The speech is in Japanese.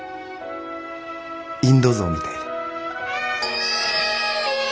インド象みたいで。